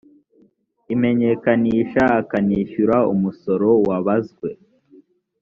imenyekanisha akanishyura umusoro wabazwe